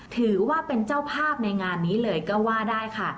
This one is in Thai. ถือว่าเป็นเจ้าภาพในงานนี้เลยก็ว่าได้ค่ะ